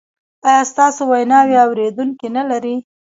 ایا ستاسو ویناوې اوریدونکي نلري؟